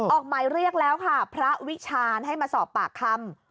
ออกหมายเรียกแล้วค่ะพระวิชาณให้มาสอบปากคำ